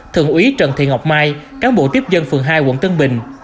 thượng úy trần thị ngọc mai cán bộ tiếp dân phường hai quận tân bình